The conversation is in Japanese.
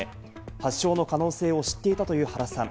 発症の可能性を知っていたという原さん。